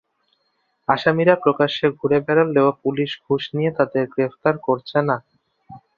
আসামিরা প্রকাশ্যে ঘুরে বেড়ালেও পুলিশ ঘুষ নিয়ে তাদের গ্রেপ্তার করছে না।